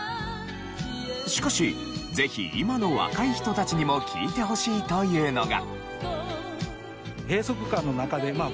しかしぜひ今の若い人たちにも聴いてほしいというのが。